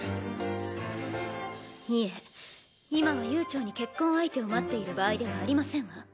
いえ今は悠長に結婚相手を待っている場合ではありませんわ。